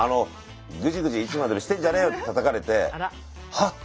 「ぐじぐじいつまでもしてんじゃねえよ」ってたたかれてハッと。